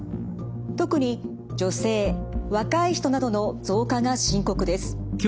特に女性若い人などの増加が深刻です。